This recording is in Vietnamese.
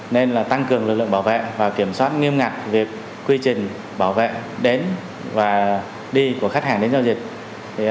nên tăng cường lực lượng bảo vệ và kiểm soát nghiêm ngặt về quy trình bảo vệ đến và đi của khách hàng đến giao dịch